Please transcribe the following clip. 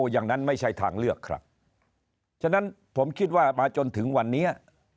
ไม่ใช่ทางเลือกครับฉะนั้นผมคิดว่ามาจนถึงวันนี้